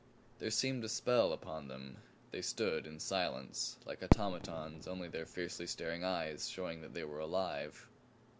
There seemed a spell upon them. They stood in silence, like automatons, only their fiercely staring eyes showing that they were alive.